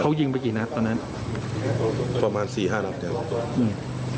เขายิงไปกี่นัดตอนนั้นประมาณสี่ห้านัดแต่ว่าอืม